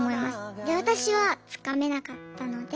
で私はつかめなかったので。